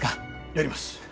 やります。